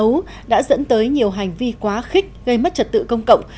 các vụ tập tập xấu đã dẫn tới nhiều hành vi quá khích gây mất trật tự công cộng